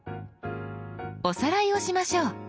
おさらいをしましょう。